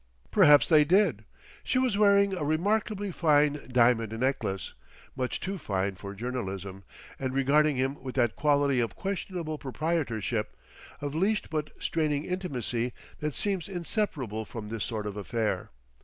Perhaps they did. She was wearing a remarkably fine diamond necklace, much too fine for journalism, and regarding him with that quality of questionable proprietorship, of leashed but straining intimacy, that seems inseparable from this sort of affair.